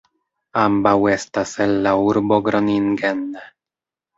Ambaŭ estas el la urbo Groningen.